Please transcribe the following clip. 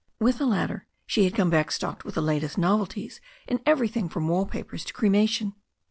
With the latter she had come back stocked with the latest novelties in everything from wall papers to cremation.